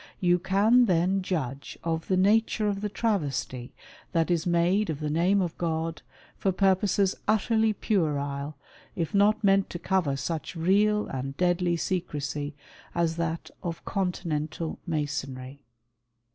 You can then judge of the nature of the travesty that is made of the name of God for purposes utterly puerile, if not meant to cover such real and deadly secresy as that of Continental Masonry.